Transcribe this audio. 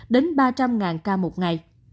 đến ba trăm linh ca một ngày